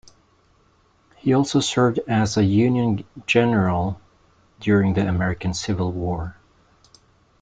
He also served as a Union general during the American Civil War.